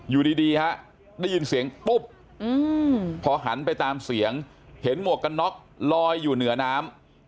อยู่ดีฮะได้ยินเสียงปุ๊บพอหันไปตามเสียงเห็นหมวกกันน็อกลอยอยู่เหนือน้ำ